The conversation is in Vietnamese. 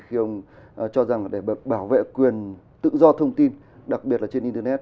khi ông cho rằng để bảo vệ quyền tự do thông tin đặc biệt là trên internet